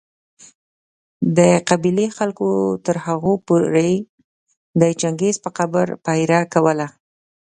د قبېلې خلکو تر هغو پوري د چنګېز په قبر پهره کوله